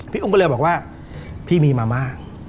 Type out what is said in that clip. อุ้มก็เลยบอกว่าพี่มีมาม่า